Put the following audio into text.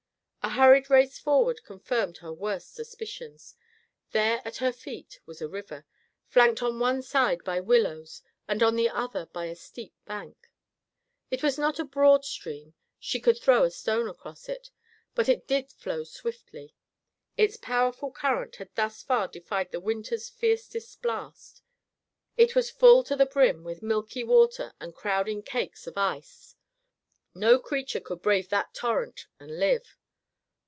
A hurried race forward confirmed her worst suspicions; there, at her feet was a river, flanked on one side by willows and on the other by a steep bank. It was not a broad stream—she could throw a stone across it—but it did flow swiftly. Its powerful current had thus far defied the winter's fiercest blasts. It was full to the brim with milky water and crowding cakes of ice. No creature could brave that torrent, and live.